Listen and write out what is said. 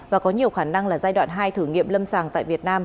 và có nhiều khả năng là giai đoạn hai thử nghiệm lâm sàng tại việt nam